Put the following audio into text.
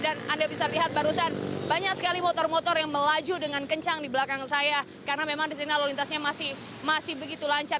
dan anda bisa lihat barusan banyak sekali motor motor yang melaju dengan kencang di belakang saya karena memang di sini lalu lintasnya masih begitu lancar